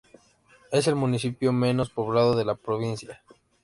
Es el municipio menos poblado de la provincia.